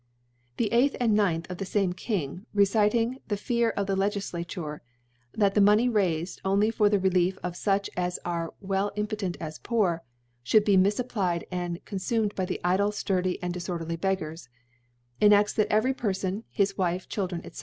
* The 8 th and 9 th of the fame King, re citing the Fear of the Legiflature, that the Money raifed only for the Relief of fucb as are as weU impoUnt as poor^ fhould be mif applied and confumed by the idle^ fturdy^ and diforderly Beggars^ * enafts that every Per * fon, his Wife, Children, i^c.